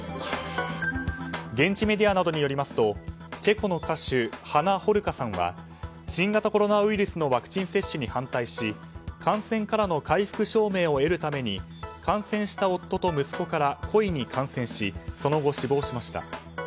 現地メディアなどによりますとチェコの歌手ハナ・ホルカさんは新型コロナウイルスのワクチン接種に反対し感染からの回復証明を得るために感染した夫と息子から故意に感染しその後、死亡しました。